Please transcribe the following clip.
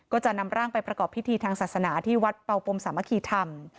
ก็จะนำร่างไปประกอบพิธีทางศาสนาที่วัดเป่าปมสามัคคีธรรม